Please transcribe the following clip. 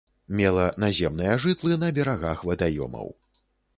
Мела наземныя жытлы на берагах вадаёмаў.